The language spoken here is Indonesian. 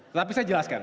tapi saya jelaskan